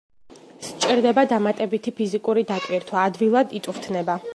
სჭირდება დამატებითი ფიზიკური დატვირთვა, ადვილად იწვრთნება.